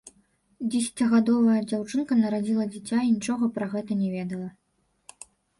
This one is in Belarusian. Дзесяцігадовая дзяўчынка нарадзіла дзіця і нічога пра гэта не ведала.